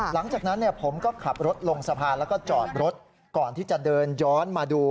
หลังจากนั้นผมก็ขับรถลงสะพานแล้วก็จอดรถก่อนที่จะเดินย้อนมาดู